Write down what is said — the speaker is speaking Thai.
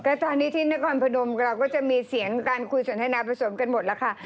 ก็ตอนนี้ที่นครพนมเราก็จะมีเสียงการคุยสนทนาผสมกันหมดแล้วค่ะ